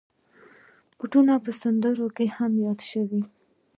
بوټونه په سندرو کې هم یاد شوي.